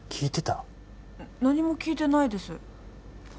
な何も聞いてないです